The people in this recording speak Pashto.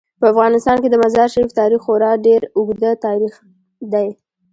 په افغانستان کې د مزارشریف تاریخ خورا ډیر اوږد تاریخ دی.